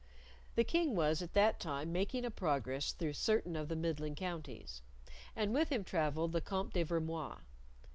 The King was at that time making a progress through certain of the midland counties, and with him travelled the Comte de Vermoise.